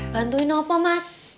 bantuin apa mas